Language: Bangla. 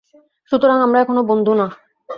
সুতরাং আমরা এখনও বন্ধু, না।